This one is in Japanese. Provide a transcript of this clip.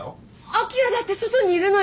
あきらだって外にいるのよ。